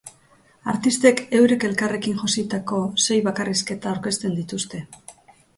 Artistek eurek elkarrekin jositako sei bakarrizketa aurkezten dituzte.